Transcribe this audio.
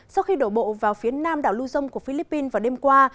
sau khi đổ bộ vào phía nam đảo lưu dông của philippines vào đêm qua